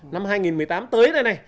năm hai nghìn một mươi tám tới đây này